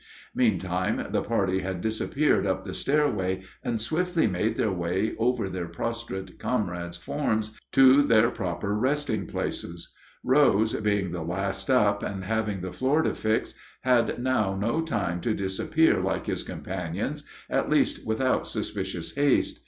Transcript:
Meantime the party had disappeared up the stairway and swiftly made their way over their prostrate comrades' forms to their proper sleeping places. Rose, being the last up, and having the floor to fix, had now no time to disappear like his companions, at least without suspicious haste.